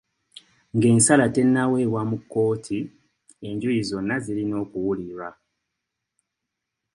Ng'ensala tennaweebwa mu kkooti, enjuyi zonna zirina okuwulirwa.